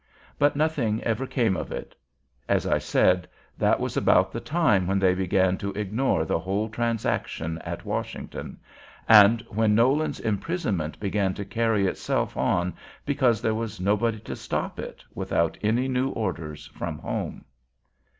But nothing ever came of it. As I said, that was about the time when they began to ignore the whole transaction at Washington, and when Nolan's imprisonment began to carry itself on because there was nobody to stop it without any new orders from home.